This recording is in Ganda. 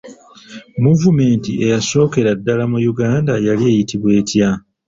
Muvumenti eyasookera ddala mu Uganda yali eyitibwa etya?